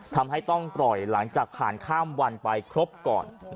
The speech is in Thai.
ทำให้ต้องปล่อยหลังจากผ่านข้ามวันไปครบก่อน